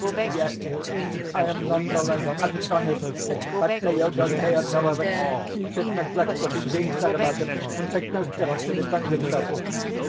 Yet I am nonetheless astonished that Thedor Thedorovitch should neglect what is being said about him, and take no steps to defend himself.